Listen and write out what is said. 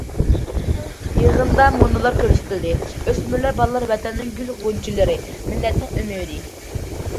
يىغىندا مۇنۇلار كۆرسىتىلدى: ئۆسمۈرلەر، بالىلار ۋەتەننىڭ گۈل غۇنچىلىرى، مىللەتنىڭ ئۈمىدى.